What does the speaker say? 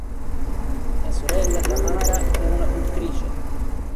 La sorella Tamara è una pittrice.